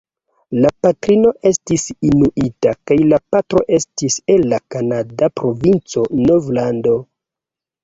La patrino estis inuita kaj la patro estis el la kanada provinco Novlando.